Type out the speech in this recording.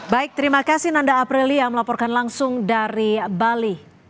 baik terima kasih nanda aprilia melaporkan langsung dari bali